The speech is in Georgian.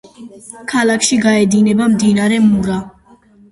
ქალაქში გაედინება მდინარე მურა.